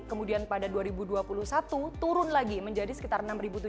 kemudian pada dua ribu dua puluh satu turun lagi menjadi sekitar enam tujuh ratus